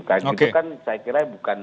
karena itu kan saya kira bukan